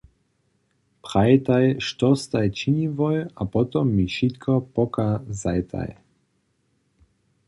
Prajtaj što staj činiłoj a potom mi wšitko pokazajtaj!